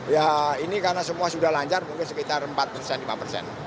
ya ini karena semua sudah lancar mungkin sekitar empat persen lima persen